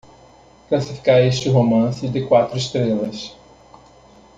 classificar este romance de quatro estrelas